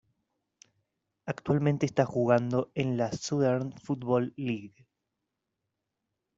Actualmente está jugando en la Southern Football League.